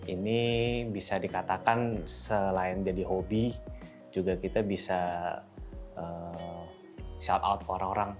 ini bisa dikatakan selain jadi hobi juga kita bisa shut out ke orang orang